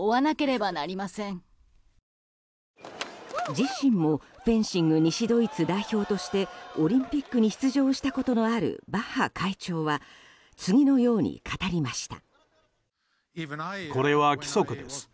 自身もフェンシング西ドイツ代表としてオリンピックに出場したことのあるバッハ会長は次のように語りました。